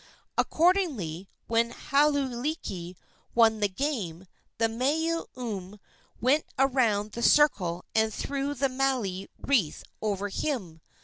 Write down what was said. Accordingly, when Hauailiki won at the game, the mea ume went around the circle and threw the maile wreath over him.